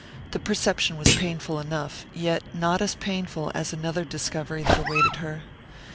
The perception was painful enough, yet not as painful as another discovery that awaited her.